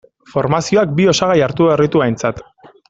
Formazioak bi osagai hartu behar ditu aintzat.